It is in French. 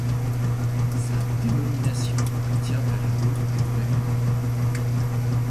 Sa dénomination tient à la rue du même nom.